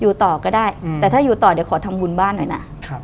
อยู่ต่อก็ได้แต่ถ้าอยู่ต่อเดี๋ยวขอทำบุญบ้านหน่อยนะ